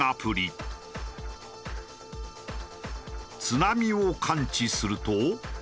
津波を感知すると。